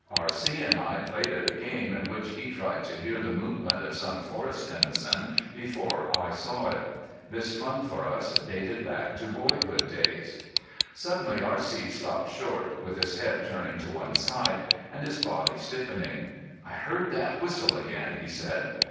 R.C. and I played at a game in which he tried to hear the movement of some forest denizen before I saw it. This fun for us dated back to boyhood days. Suddenly R.C. stopped short, with his head turning to one side, and his body stiffening. "I heard that whistle again," he said.